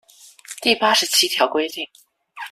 第八十七條規定